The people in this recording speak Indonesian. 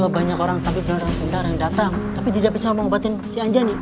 banyak orang penyelundupan yang datang tapi tidak bisa mengobatin si anjani